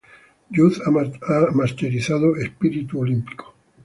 Youth ha masterizado "Espíritu olímpico".